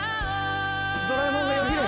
ドラえもんがよぎれ。